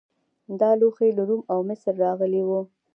دا لوښي له روم او مصر راغلي وو